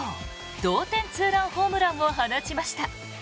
同点ツーランホームランを放ちました。